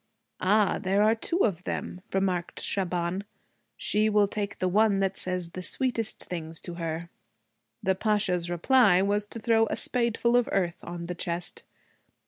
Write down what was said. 'Ah, there are two of them,' remarked Shaban. 'She will take the one that says the sweetest things to her.' The Pasha's reply was to throw a spadeful of earth on the chest.